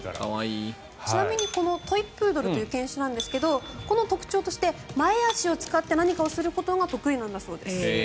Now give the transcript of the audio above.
ちなみにこのトイプードルという犬種なんですがこの特徴として前足を使って何かをすることが得意なんだそうです。